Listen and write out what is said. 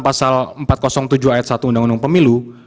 pasal empat ratus tujuh ayat satu undang undang pemilu